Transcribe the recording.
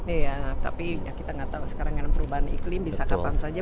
iya tapi ya kita nggak tahu sekarang dengan perubahan iklim bisa kapan saja